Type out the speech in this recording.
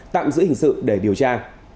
tạm giữ hình sự để điều tra